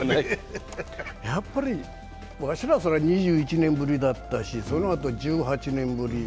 やっぱり、わしら２１年ぶりだったしそのあと１８年ぶり。